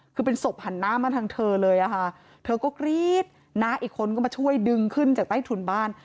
คือเป็นศพหันหน้ามาทางเธอเลยอะค่ะเธอก็กรี๊ดน้าอีกคนก็มาช่วยดึงขึ้นจากใต้ถุนบ้าน